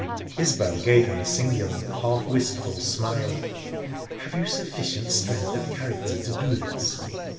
Isbel gave him a singular, half wistful smile. "Have you sufficient strength of character to do this?"